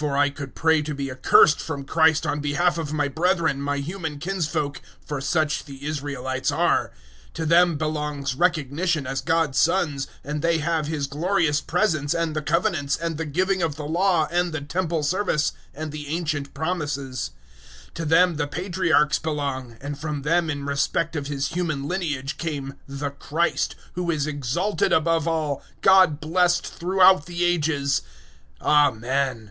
009:003 For I could pray to be accursed from Christ on behalf of my brethren, my human kinsfolk for such the Israelites are. 009:004 To them belongs recognition as God's sons, and they have His glorious Presence and the Covenants, and the giving of the Law, and the Temple service, and the ancient Promises. 009:005 To them the Patriarchs belong, and from them in respect of His human lineage came the Christ, who is exalted above all, God blessed throughout the Ages. Amen.